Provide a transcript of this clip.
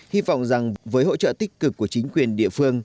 hy vọng rằng với hỗ trợ tích cực của chính quyền địa phương